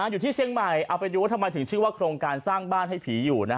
อยู่ที่เชียงใหม่เอาไปดูว่าทำไมถึงชื่อว่าโครงการสร้างบ้านให้ผีอยู่